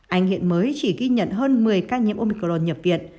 anh hiện mới chỉ ghi nhận hơn một mươi ca nhiễm uncron nhập viện